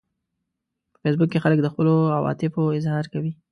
په فېسبوک کې خلک د خپلو عواطفو اظهار کوي